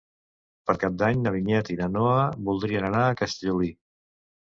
Per Cap d'Any na Vinyet i na Noa voldrien anar a Castellolí.